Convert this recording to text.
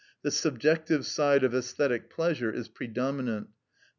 the subjective side of æsthetic pleasure is predominant, _i.